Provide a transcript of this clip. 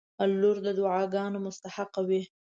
• لور د دعاګانو مستحقه وي.